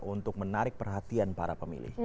untuk menarik perhatian para pemilih